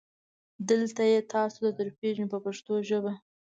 دلته یې تاسو ته درپېژنو په پښتو ژبه.